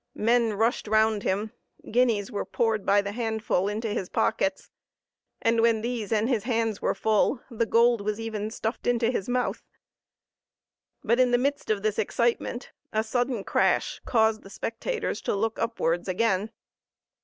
Men rushed round him; guineas were poured by the handful into his pockets; and when these and his hands were full, the gold was even stuffed into his mouth. But, in the midst of this excitement, a sudden crash caused the spectators to look upwards again.